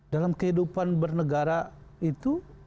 dalam kehidupan bernegara itu